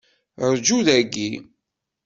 Rǧu dagi.